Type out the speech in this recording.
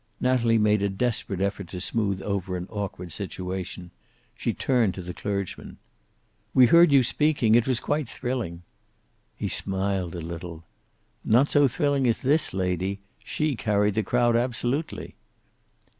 Natalie made a desperate effort to smooth over an awkward situation. She turned to the clergyman. "We heard you speaking. It was quite thrilling." He smiled a little. "Not so thrilling as this lady. She carried the crowd, absolutely."